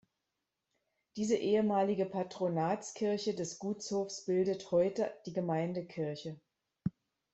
Diese ehemalige Patronatskirche des Gutshofs bildet heute die Gemeindekirche.